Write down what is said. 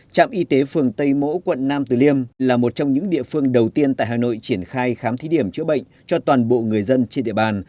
trạm y tế phường tây mỗ quận nam từ liêm là một trong những địa phương đầu tiên tại hà nội triển khai khám thí điểm chữa bệnh cho toàn bộ người dân trên địa bàn